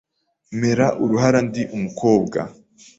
mera uruhara ndi umukobwa.